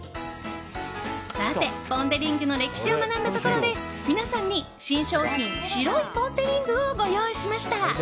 さて、ポン・デ・リングの歴史を学んだところで皆さんに新商品白いポン・デ・リングをご用意しました。